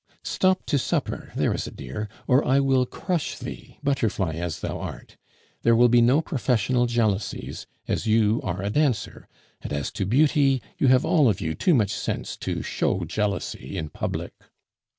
"Stop to supper, there is a dear, or I will crush thee, butterfly as thou art. There will be no professional jealousies, as you are a dancer; and as to beauty, you have all of you too much sense to show jealousy in public."